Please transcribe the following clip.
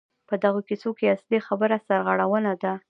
په دغو کیسو کې اصلي خبره سرغړونه ده.